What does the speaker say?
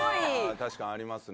確かにありますね。